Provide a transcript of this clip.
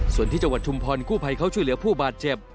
ส่วนที่จังหวัดชุมพรกู้ภัยเขาช่วยเหลือผู้บาดเจ็บ